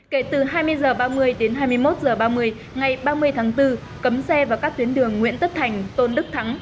kể từ hai mươi h ba mươi đến hai mươi một h ba mươi ngày ba mươi tháng bốn cấm xe vào các tuyến đường nguyễn tất thành tôn đức thắng